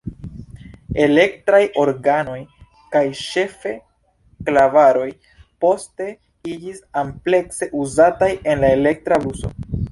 Elektraj organoj kaj ĉefe klavaroj poste iĝis amplekse uzataj en elektra bluso.